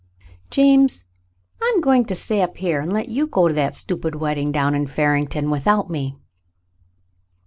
"James, I'm going to stay up here and let you go to that stupid wedding down in Farington without me."